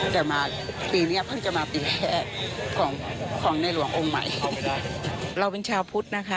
แต่มาปีเนี้ยเพิ่งจะมาปีแรกของของในหลวงองค์ใหม่เราเป็นชาวพุทธนะคะ